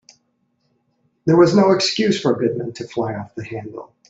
There was no excuse for Goodman to fly off the handle.